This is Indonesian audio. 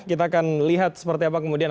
kita akan lihat seperti apa kemudian